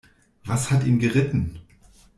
Was hat ihn geritten?